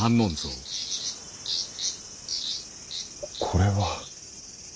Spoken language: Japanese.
これは。